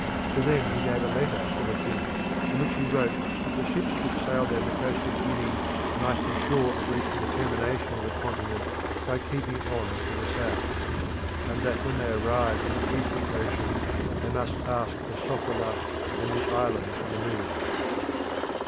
To them he gave a letter for the king, in which he wrote that the ships which sailed down the coast of Guinea might be sure of reaching the termination of the continent by keeping on to the south; and that when they arrived in the Eastern ocean, they must ask for Sofala and the Island of the Moon.